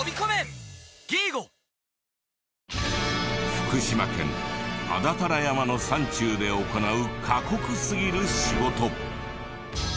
福島県安達太良山の山中で行う過酷すぎる仕事。